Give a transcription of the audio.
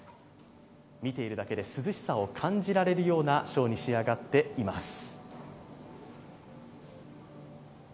見ているだけで涼しさを感じられるようなショーに仕上がっています。